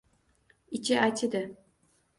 Ichi achidi.